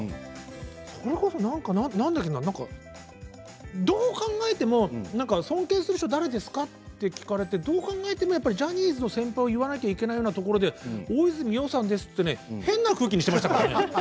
それこそどう考えても尊敬する人は誰ですか？と聞かれてどう考えてもジャニーズの先輩を言わなくてはいけないようなところで大泉洋さんですと変な空気にしているんですよね